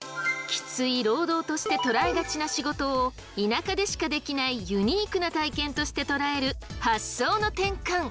きつい労働として捉えがちな仕事を田舎でしかできないユニークな体験として捉える発想の転換！